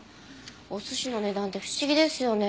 お寿司の値段って不思議ですよね。